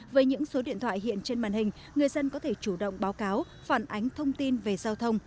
với những số điện thoại hiện trên màn hình người dân có thể chủ động báo cáo phản ánh thông tin về giao thông